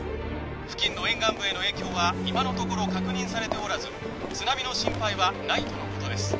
付近の沿岸部への影響は今のところ確認されておらず津波の心配はないとのことです